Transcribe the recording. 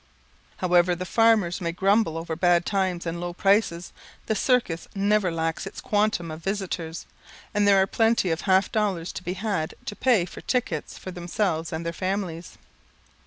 However the farmers may grumble over bad times and low prices, the circus never lacks its quantum of visitors; and there are plenty of half dollars to be had to pay for tickets for themselves and their families.